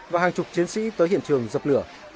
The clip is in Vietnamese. và hàng chục chiến sĩ tới hiện trường dập lửa